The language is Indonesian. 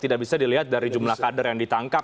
tidak bisa dilihat dari jumlah kader yang ditangkap